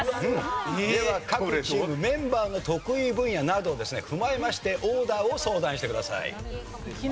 では各チームメンバーの得意分野などをですね踏まえましてオーダーを相談してください。